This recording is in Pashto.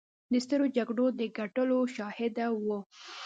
د سترو جګړو د ګټلو شاهده وه.